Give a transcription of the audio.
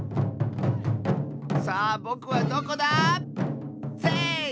さあぼくはどこだ⁉せい！